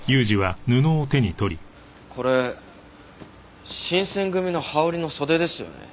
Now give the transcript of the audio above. これ新選組の羽織の袖ですよね？